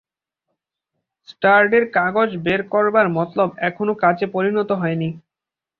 স্টার্ডির কাগজ বের করবার মতলব এখনও কাজে পরিণত হয়নি।